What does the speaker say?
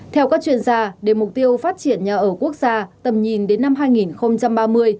theo các chuyên gia để mục tiêu phát triển nhà ở quốc gia tầm nhìn đến năm hai nghìn ba mươi